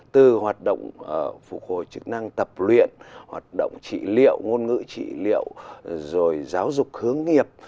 từ hoạt động phục hồi chức năng tập luyện hoạt động trị liệu ngôn ngữ trị liệu rồi giáo dục hướng nghiệp